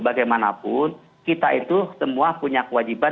bagaimanapun kita itu semua punya kewajiban